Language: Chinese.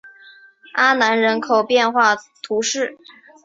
阿南人口变化图示